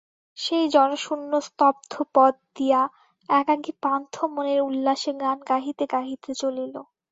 সেই জনশূন্য স্তব্ধ পথ দিয়া একাকী পান্থ মনের উল্লাসে গান গাহিতে গাহিতে চলিল।